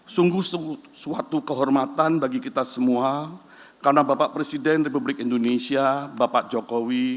sungguh suatu kehormatan bagi kita semua karena bapak presiden republik indonesia bapak jokowi